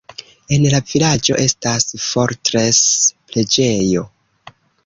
En la vilaĝo estas fortres-preĝejo.